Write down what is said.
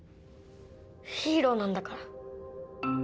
ヒーローなんだから。